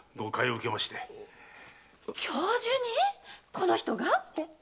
この人が？